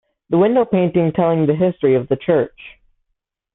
The window painting telling the history of the church.